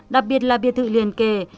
đặc biệt là biệt thự liền kề